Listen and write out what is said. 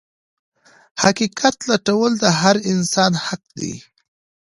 حقيقت لټول د هر انسان حق دی.